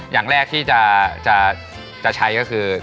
อย่างแรกที่จะใช้ก็คือ